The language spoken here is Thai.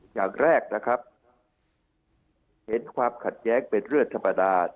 อย่างแรกนะครับเห็นความขัดแย้งเป็นเรื่องธรรมดา